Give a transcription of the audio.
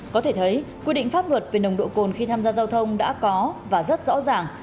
có thể thấy quy định pháp luật về nồng độ cồn khi tham gia giao thông đã có và rất rõ ràng